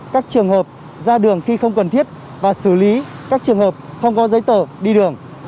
các trường hợp ra đường khi không cần thiết và xử lý các trường hợp không có giấy tờ đi đường